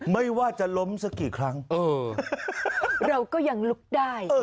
ไม่ว่าจะล้มสักกี่ครั้งเออเราก็ยังลุกได้